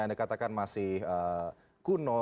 anda katakan masih kuno